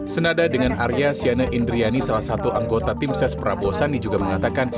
senada dengan arya siana indriani salah satu anggota tim ses prabowo sandi juga mengatakan